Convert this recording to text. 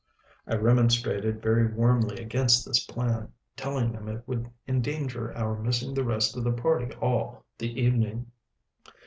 I remonstrated very warmly against this plan, telling them it would endanger our missing the rest of the party all the evening.